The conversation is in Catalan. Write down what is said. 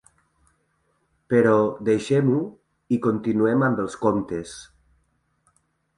Però, deixem-ho, i continuem amb els comptes.